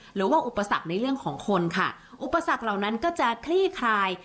หรือว่าอุปสรรคในเรื่องของคนค่ะอุปสรรคเหล่านั้นก็จะคลี่คลาย